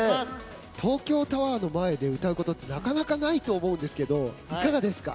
東京タワーの前で歌うことってなかなかないと思うんですけどいかがですか？